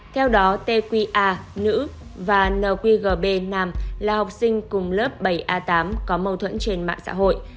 theo đó tqa nữ và nqgb nam là học sinh cùng lớp bảy a tám có mâu thuẫn trên mạng xã hội